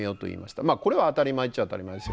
これは当たり前っちゃ当たり前ですよね。